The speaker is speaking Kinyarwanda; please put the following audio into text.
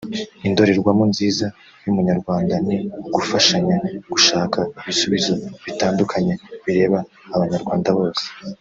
Indorerwamo nziza y’umunyarwanda ni ugufashanya gushaka ibisubizo bitandukanye bireba Abanyarwanda bose